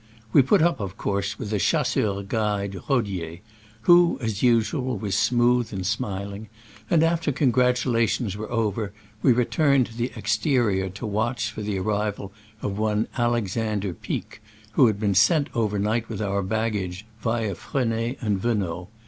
We put up, of course, with the chasseur guide Rodier (who, as usual, was smooth and smiling), and after congratulations were over we returned to the exterior to watch for the arrival of one Alexander Pic, who had been sent overnight with our baggage via Freney and Venos.